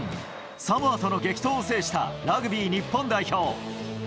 サモアとの激闘を制したラグビー日本代表。